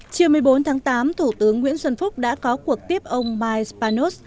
chiều một mươi bốn tháng tám thủ tướng nguyễn xuân phúc đã có cuộc tiếp ông mike spanos